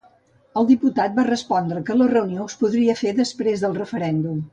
El diputat va respondre que la reunió es podria fer després del referèndum.